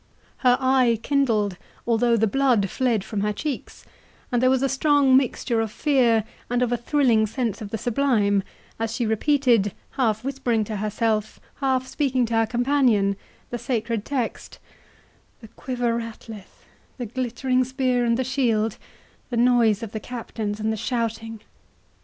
Her eye kindled, although the blood fled from her cheeks; and there was a strong mixture of fear, and of a thrilling sense of the sublime, as she repeated, half whispering to herself, half speaking to her companion, the sacred text,—"The quiver rattleth—the glittering spear and the shield—the noise of the captains and the shouting!"